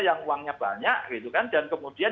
yang uangnya banyak gitu kan dan kemudian